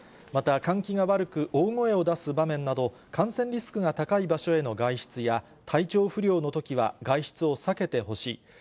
また換気が悪く、大声を出す場面など、感染リスクが高い場所への外出や体調不良のときは外出を避けてほしい。